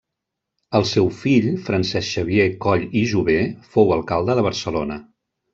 El seu fill, Francesc Xavier Coll i Jover fou alcalde de Barcelona.